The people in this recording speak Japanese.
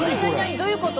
どういうこと？